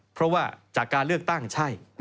เพราะว่าจากการเลือกตั้งใช่